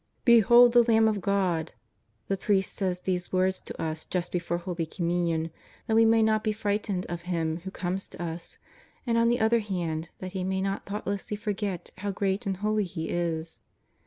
^' Behold the Lamb of God !" The priest says these words to us just before Holy Communion, that we may not be frightened of Him who comes to us, and on the other hand that he may not thoughtlessly forget how great and holy He is.